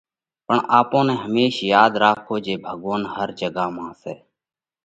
پڻ آپون نئہ هميش ياڌ راکوو جي ڀڳوونَ هر جڳا مانه سئہ۔